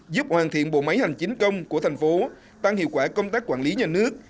giúp hoàn thiện bộ máy hành chính công của thành phố tăng hiệu quả công tác quản lý nhà nước